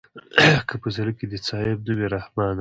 که په زړه کښې دې څه عيب نه وي رحمانه.